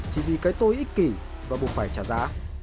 chỉ vì cái tôi ít kỷ và buộc phải trả giá